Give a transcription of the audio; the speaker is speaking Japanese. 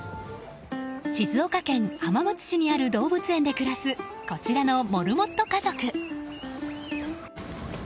静岡県浜松市にある動物園で暮らすこちらのモルモット家族。